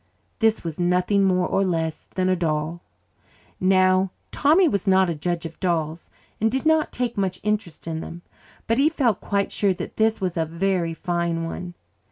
This was nothing more or less than a doll. Now, Tommy was not a judge of dolls and did not take much interest in them, but he felt quite sure that this was a very fine one.